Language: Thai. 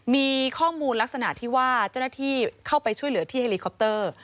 มีข้อมูลลักษณะที่ว่าเจ้าหน้าที่เข้าไปช่วยเหลือที่เฮลิคอปเตอร์